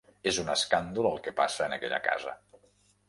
És un escàndol el que passa en aquella casa.